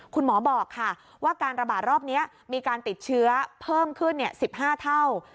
คุณหมอบอกค่ะว่าการระบาดรอบนี้มีการติดเชื้อเพิ่มขึ้น๑๕เท่า